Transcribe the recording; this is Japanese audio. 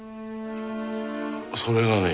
それがね